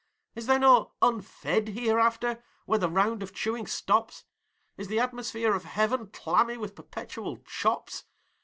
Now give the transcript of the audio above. Is there no unfed Hereafter, where the round of chewing stops? Is the atmosphere of heaven clammy with perpetual chops?